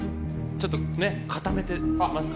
ちょっと固めてますね。